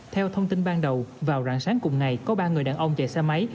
theo thông tin ban đầu vào rạng sáng cùng ngày có ba người đàn ông chạy xe máy